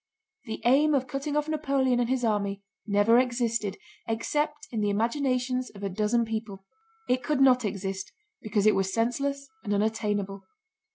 The aim of cutting off Napoleon and his army never existed except in the imaginations of a dozen people. It could not exist because it was senseless and unattainable.